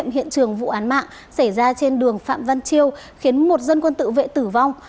hiện trường vụ án mạng xảy ra trên đường phạm văn chiêu khiến một dân quân tự vệ tử vong